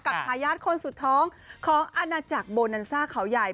ทายาทคนสุดท้องของอาณาจักรโบนันซ่าเขาใหญ่